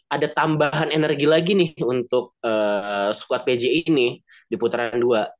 ada tambahan energi lagi nih untuk squad pj ini di putaran dua